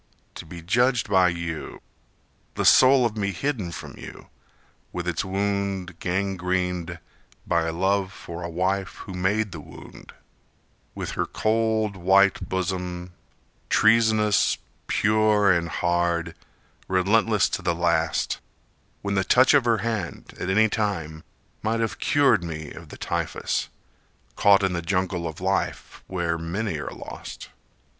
To be judged by you, The soul of me hidden from you, With its wound gangrened By love for a wife who made the wound, With her cold white bosom, treasonous, pure and hard, Relentless to the last, when the touch of her hand, At any time, might have cured me of the typhus, Caught in the jungle of life where many are lost.